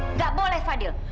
nggak boleh fadil